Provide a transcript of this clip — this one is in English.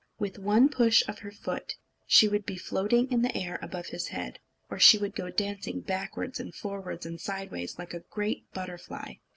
With one push of her foot, she would be floating in the air above his head; or she would go dancing backwards and forwards and sideways, like a great butterfly.